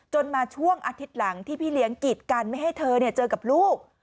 มาช่วงอาทิตย์หลังที่พี่เลี้ยงกีดกันไม่ให้เธอเจอกับลูก